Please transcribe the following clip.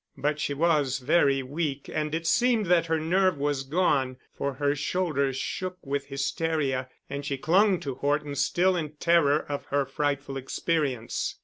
But she was very weak and it seemed that her nerve was gone, for her shoulders shook with hysteria and she clung to Horton still in terror of her frightful experience.